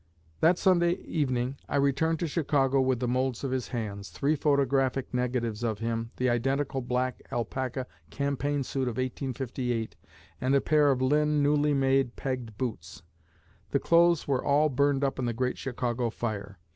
That Sunday evening I returned to Chicago with the moulds of his hands, three photographic negatives of him, the identical black alpaca campaign suit of 1858, and a pair of Lynn newly made pegged boots. The clothes were all burned up in the great Chicago fire.